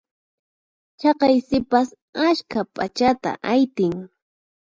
Chaqay sipas askha p'achata aytin.